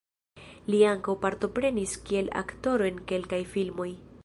Li ankaŭ partoprenis kiel aktoro en kelkaj filmoj.